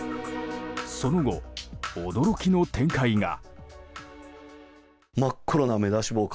その後、驚きの展開が。